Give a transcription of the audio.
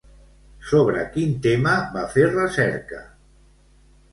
Sobre quin tema va fer recerca?